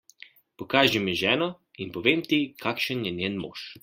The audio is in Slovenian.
Pokaži mi ženo, in povem ti, kakšen je njen mož.